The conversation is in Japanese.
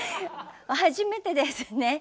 初めてですね。